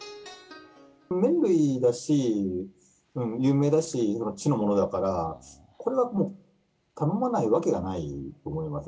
麺類だし、有名だし、地のものだから、これはもう頼まないわけがないと思います。